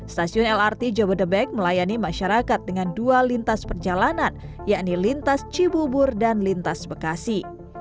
stasiun lrt jabodebek melayani masyarakat dengan dua lintas perjalanan yakni lintas cibubur dan lintas bekasi